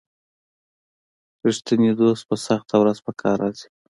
رښتینی دوست په سخته ورځ په کار راځي.